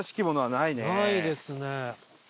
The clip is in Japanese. ないですね。